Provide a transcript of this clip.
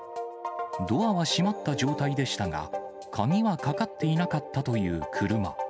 ドアは閉まった状態でしたが、鍵はかかっていなかったという車。